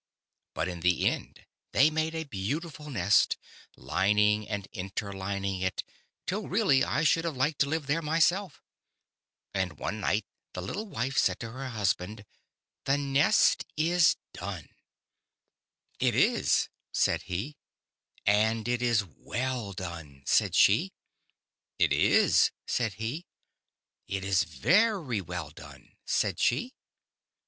But in the end they made a beautiful nest, lining and interlining it, till really I should have liked to live there myself. And one night, the little wife said to her husband :" The nest is done." 177 I yS The Statue and the Birds. " It is," said he. " And it is we// done," said she. " It is," said he. " It is very well done," said she.